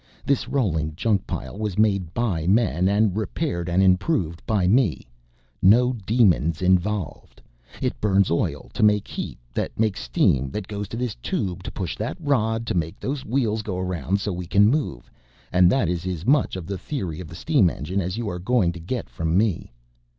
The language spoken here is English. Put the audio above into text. This rolling junk pile was made by men and repaired and improved by me, no demons involved. It burns oil to make heat that makes steam that goes to this tube to push that rod to make those wheels go around so we can move, and that is as much of the theory of the steam engine as you are going to get from me.